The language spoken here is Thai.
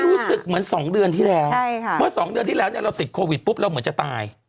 รู้สึกเหมือน๒เดือนที่แล้วเมื่อสองเดือนที่แล้วเนี่ยเราติดโควิดปุ๊บเราเหมือนจะตาย